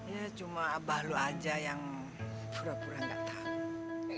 ya cuma abah lu aja yang pura pura nggak tahu